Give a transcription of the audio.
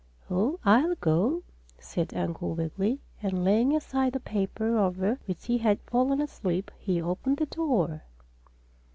"Oh, I'll go," said Uncle Wiggily, and laying aside the paper over which he had fallen asleep, he opened the door.